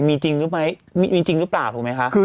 คุณตานก็คือใครมีจริงหรือเปล่าถูกไหมคะ